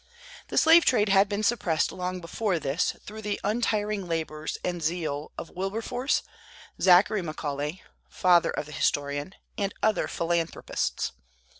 The slave trade had been suppressed long before this, through the untiring labors and zeal of Wilberforce, Zachary Macaulay (father of the historian), and other philanthropists.